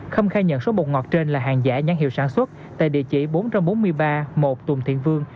khâm khai nhận số bột ngọt trên là hàng giả nhãn hiệu sản xuất tại địa chỉ bốn trăm bốn mươi ba một tùng thiện vương